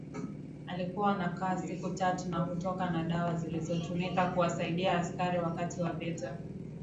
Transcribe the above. alikuwa anakaa siku tatu na kutoka na dawa zilizotumika kuwasadia askari wakati wa vita